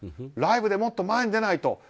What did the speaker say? ライブでもっと前に出ないと。